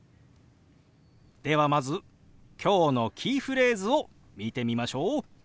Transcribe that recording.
ではまず今日のキーフレーズを見てみましょう。